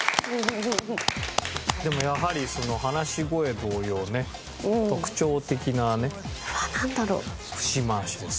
でもやはり話し声同様ね特徴的なね節回しです。